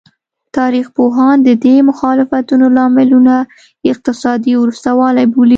تاریخ پوهان د دې مخالفتونو لاملونه اقتصادي وروسته والی بولي.